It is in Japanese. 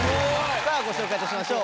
さあ、ご紹介いたしましょう。